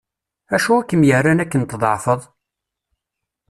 Acu i kem-yerran akken tḍeεfeḍ?